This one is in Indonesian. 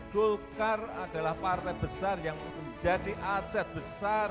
golkar adalah partai besar yang menjadi aset besar